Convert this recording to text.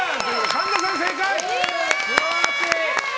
神田さん、正解！